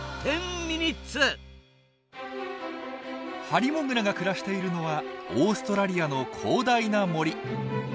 ハリモグラが暮らしているのはオーストラリアの広大な森。